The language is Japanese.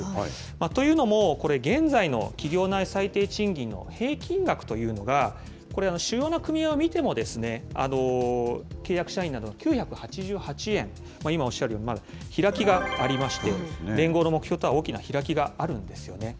というのも、これ、現在の企業内最低賃金の平均額というのが、主要な組合を見ても契約社員など９８８円、今おっしゃるように、開きがありまして、連合の目標とは大きな開きがあるんですよね。